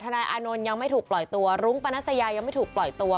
นายอานนท์ยังไม่ถูกปล่อยตัวรุ้งปนัสยายังไม่ถูกปล่อยตัว